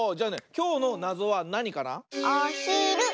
きょうのなぞはなにかな？